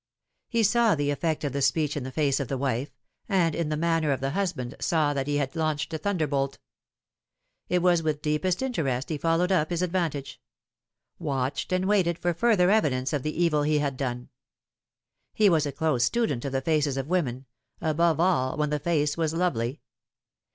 He saw the effect of the speech in the face of the wife, and in the manner of the husband saw that he had launched a thunderbolt. It was with deepest interest he followed up his advantage; watched and waited for further evidence of the evil he had done. He was a close student of the faces of women ; above all, when the face was lovely.